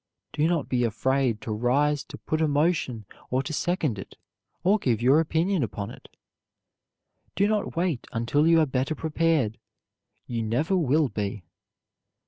Do not be afraid to rise to put a motion or to second it or give your opinion upon it. Do not wait until you are better prepared. You never will be.